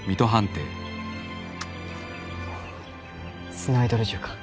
スナイドル銃か。